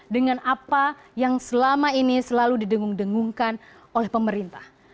dengan apa yang selama ini selalu didengung dengungkan oleh pemerintah